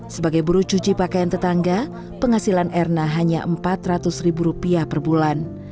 sebagai buruh cuci pakaian tetangga penghasilan erna hanya empat ratus ribu rupiah per bulan